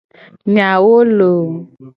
Nyawo loooo.